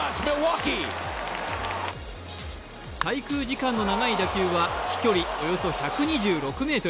滞空時間の長い打球は飛距離およそ１２６ｍ。